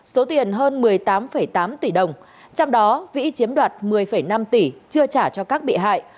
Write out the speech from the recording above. số tiền hơn một mươi tám tám tỷ đồng trong đó vĩ chiếm đoạt một mươi năm tỷ chưa trả cho các bị hại